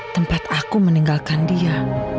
tempat aku meninggalkan dia